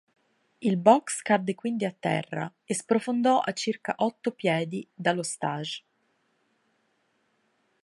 Il box cadde quindi a terra e sprofondò a circa otto piedi dallo stage.